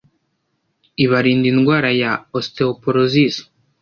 Ibarinda indwara ya osteoporosis,